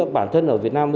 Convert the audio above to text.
bản thân ở việt nam